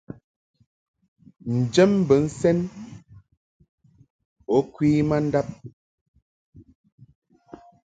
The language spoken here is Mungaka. Njam bi sɛn bo kwe ma ndab.